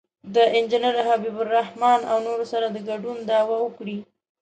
د انجینر حبیب الرحمن او نورو سره د ګډون دعوه وکړي.